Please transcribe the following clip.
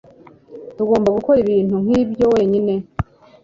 Ntugomba gukora ibintu nkibyo wenyine